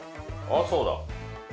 あそうだ。